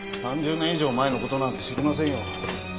３０年以上前の事なんて知りませんよ。